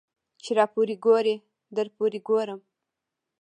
ـ چې راپورې ګورې درپورې ګورم.